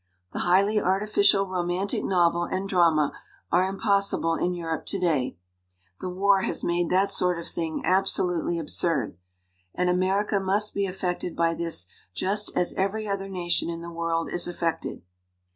The highly artificial romantic novel and drama are impossible in Europe to day. 235 LITERATURE IN THE MAKING The war has made that sort of thing absolutely absurd. And America must be affected by this just as every other nation in the world is affected.